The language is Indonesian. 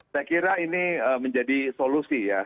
saya kira ini menjadi solusi ya